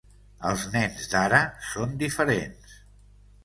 Els nens d’ara són diferents.